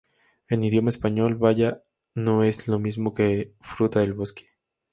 En idioma español baya no es lo mismo que fruta del bosque.